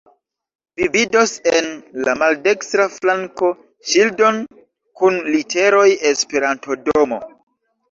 Vi vidos en la maldekstra flanko ŝildon kun literoj "Esperanto-Domo".